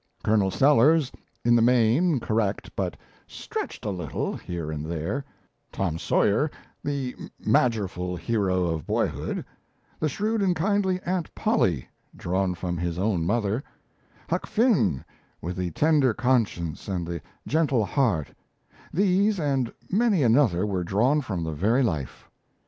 Colonel Sellers, in the main correct but "stretched a little" here and there; Tom Sawyer, the "magerful" hero of boyhood; the shrewd and kindly Aunt Polly, drawn from his own mother; Huck Finn, with the tender conscience and the gentle heart these and many another were drawn from the very life.